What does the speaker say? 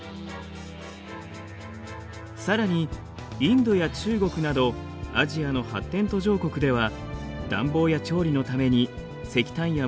さらにインドや中国などアジアの発展途上国では暖房や調理のために石炭や木炭を燃やしています。